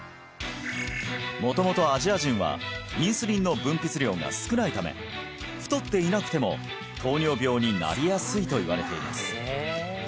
元々アジア人はインスリンの分泌量が少ないため太っていなくても糖尿病になりやすいといわれています